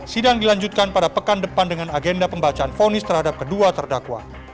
sidang dilanjutkan pada pekan depan dengan agenda pembacaan fonis terhadap kedua terdakwa